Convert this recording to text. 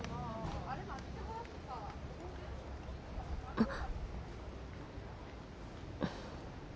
あっ。